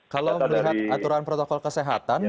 kalau melihat aturan protokol kesehatan